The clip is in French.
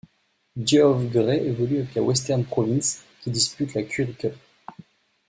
Geoff Gray évolue avec la Western Province qui dispute la Currie Cup.